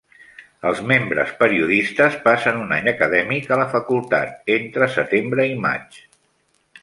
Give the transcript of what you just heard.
Els membres periodistes passen un any acadèmic a la facultat, entre setembre i maig.